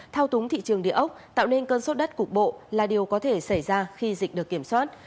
thao túng thị trường địa ốc tạo nên cơn sốt đất cục bộ là điều có thể xảy ra khi dịch được kiểm soát